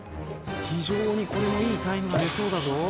非常にこれもいいタイムが出そうだぞ。